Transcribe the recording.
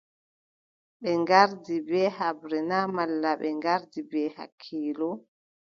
Ɓe ngardi bee haɓre na malla ɓe ngardi bee hakkiilo ?